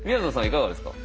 いかがですか？